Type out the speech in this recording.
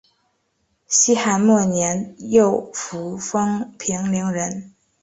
西汉末年右扶风平陵人。